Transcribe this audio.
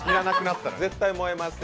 絶対燃えません。